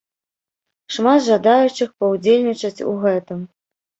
Шмат жадаючых паўдзельнічаць у гэтым.